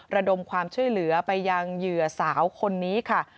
ระดมความช่วยเหลือไปยังเหยื่อสาวคนนี้ค่ะ